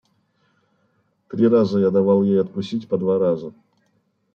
– Три раза я давал ей откусить по два раза.